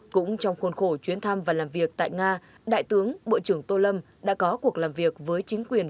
cũng trong khuôn khổ chuyến thăm và làm việc tại nga đại tướng bộ trưởng tô lâm đã có cuộc làm việc với chính quyền